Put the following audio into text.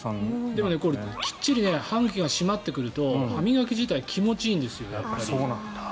でもこれきっちり歯茎が締まってくると歯磨き自体気持ちいいんですよ。